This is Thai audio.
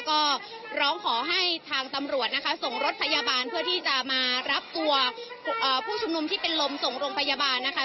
ก็ร้องขอให้ทางตำรวจนะคะส่งรถพยาบาลเพื่อที่จะมารับตัวผู้ชุมนุมที่เป็นลมส่งโรงพยาบาลนะคะ